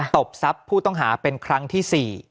ตบทรัพย์ผู้ต้องหาเป็นครั้งที่๔